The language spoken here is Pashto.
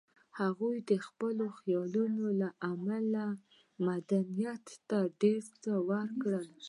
هغوی د خپلو خیالونو له امله مدنیت ته ډېر څه ورکړي